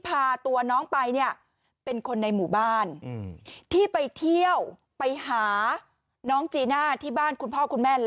พาตัวน้องไปเนี่ยเป็นคนในหมู่บ้านที่ไปเที่ยวไปหาน้องจีน่าที่บ้านคุณพ่อคุณแม่